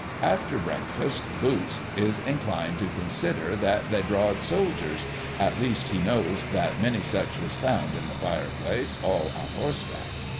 After breakfast. Boots is inclined to consider that they drawed soldiers, — at least, he knows that many such was found in the fireplace, all on horseback.